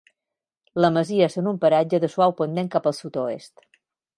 La masia és en un paratge de suau pendent al sud-oest.